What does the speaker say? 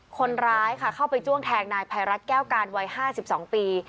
คนร้ายค่ะเข้าไปจ้วงแทงนายภัยรัฐแก้วการวัย๕๒ปี